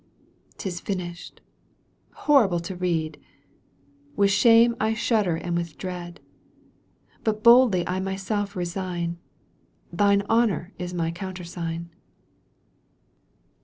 'lis finished. Horrible to read ! With shame I shudder and with dread — But boldly I myself resign : Thine honour is my countersign